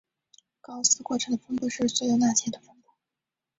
高斯过程的分布是所有那些的分布。